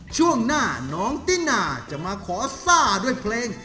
ช่วงหน้าน้องตินาจะมาขอซ่าด้วยเพลง